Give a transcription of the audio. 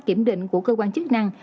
kiểm định của cơ quan chức năng